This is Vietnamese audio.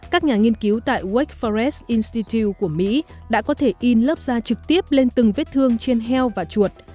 các nhà nghiên cứu tại oec forest incityu của mỹ đã có thể in lớp da trực tiếp lên từng vết thương trên heo và chuột